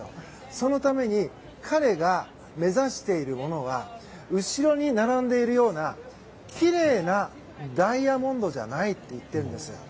そのために彼が目指しているものは後ろに並んでいるようなきれいなダイヤモンドじゃないと言ってるんですよ。